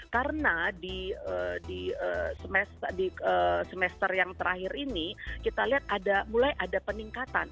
karena di semester yang terakhir ini kita lihat mulai ada peningkatan